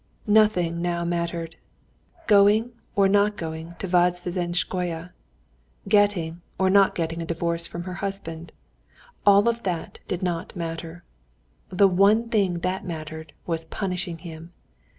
Now nothing mattered: going or not going to Vozdvizhenskoe, getting or not getting a divorce from her husband—all that did not matter. The one thing that mattered was punishing him.